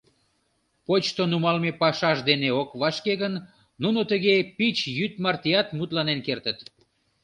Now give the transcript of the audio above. Почто нумалме пашаж дене ок вашке гын, нуно тыге пич йӱд мартеат мутланен кертыт.